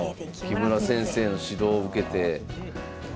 木村先生の指導を受けて。